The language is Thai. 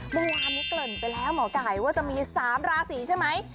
เมื่อวานนี้เกริ่นไปแล้วหมอไก่ว่าจะมี๓ราศีใช่ไหม